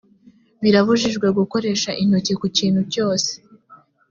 birabujijwe gukoresha intoki ku kintu cyose